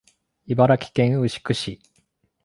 茨城県牛久市